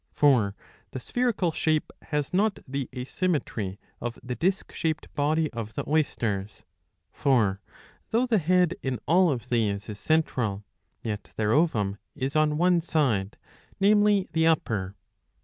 For the spherical shape has not the asymmetry of the disk shaped body of the Oysters. For though the head in all of these is central, yet their ovum is on one side, namely the upper."